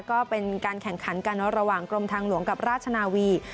ก็เป็นการแข่งขันกันระหว่างกรมทางหลวงกับราชนาวี